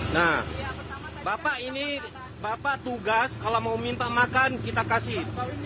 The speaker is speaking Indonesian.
nah bapak ini bapak tugas kalau mau minta makan kita kasih